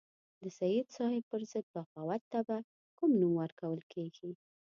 د سید صاحب پر ضد بغاوت ته به کوم نوم ورکول کېږي.